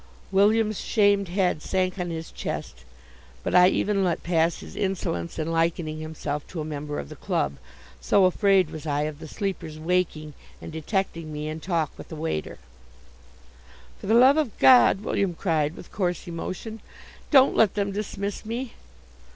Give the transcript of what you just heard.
William's shamed head sank on his chest, but I even let pass his insolence in likening himself to a member of the club, so afraid was I of the sleepers waking and detecting me in talk with a waiter. "For the love of God," William cried, with coarse emotion, "don't let them dismiss me!"